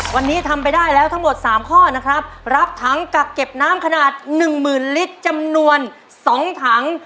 วันนี้ทำไปได้แล้วทั้งหมด๓ข้อนะครับรับถังกักเก็บน้ำขนาดหนึ่งหมื่นลิตรจำนวน๒ถัง